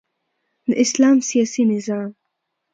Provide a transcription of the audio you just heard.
د اسلام سیاسی نظام